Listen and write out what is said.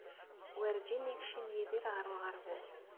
Werǧin yekcim Yidir ɣer uɣerbaz.